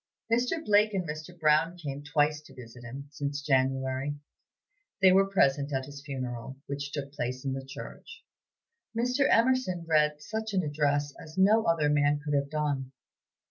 Mr. Blake and Mr. Brown came twice to visit him, since January. They were present at his funeral, which took place in the church. Mr. Emerson read such an address as no other man could have done.